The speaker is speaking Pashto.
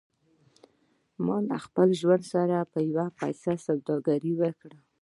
ما له خپل ژوند سره پر يوه پيسه سودا وکړه.